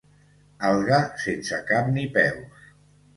Alga sense cap ni peus.